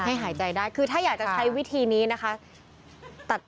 หายใจได้คือถ้าอยากจะใช้วิธีนี้นะคะ